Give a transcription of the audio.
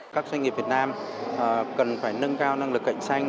các doanh nghiệp việt nam cần phải nâng cao năng lực cạnh tranh